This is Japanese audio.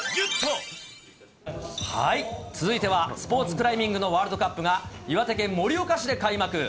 続いてはスポーツクライミングのワールドカップが、岩手県盛岡市で開幕。